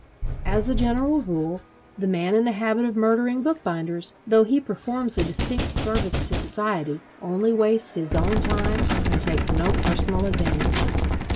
As a general rule, the man in the habit of murdering bookbinders, though he performs a distinct service to society, only wastes his own time and takes no personal advantage.